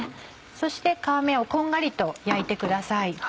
そして皮目をこんがりと焼いてください。